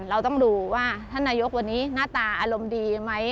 เราต้องดูว่าท่านนายกวันนี้หน้าตาอารมณ์ดีไหม